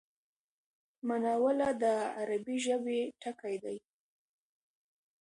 مناوله د عربي ژبی ټکی دﺉ.